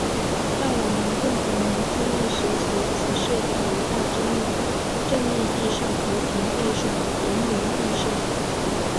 让我们共同铭记历史所启示的伟大真理：正义必胜！和平必胜！人民必胜！